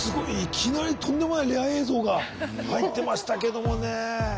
いきなりとんでもないレア映像が入ってましたけどもね。